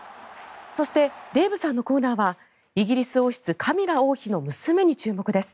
そして、デーブさんのコーナーはイギリス王室カミラ王妃の娘に注目です。